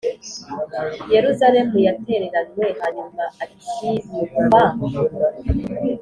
Yeruzalemu yatereranywe, hanyuma ikibukwa